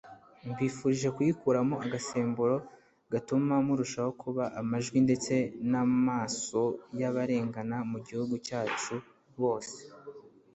Mbifurije kuyikuramo agasemburo gatuma murushaho kuba amajwi ndetse n’amaso y’abarengana mu gihugu cyacu bose